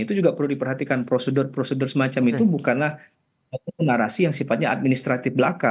itu juga perlu diperhatikan prosedur prosedur semacam itu bukanlah narasi yang sifatnya administratif belaka